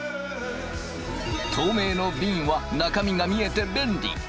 透明のびんは中身が見えて便利。